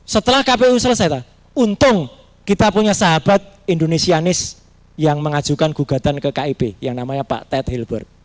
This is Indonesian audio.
setelah kpu selesai untung kita punya sahabat indonesianis yang mengajukan gugatan ke kip yang namanya pak ted hilbert